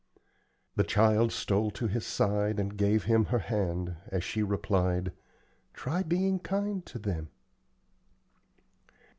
The child stole to his side and gave him her hand, as she replied, "Try being kind to them."